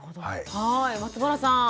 はい松原さん。